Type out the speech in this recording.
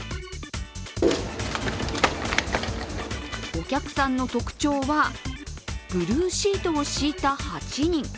お客さんの特徴は、ブルーシートを敷いた８人。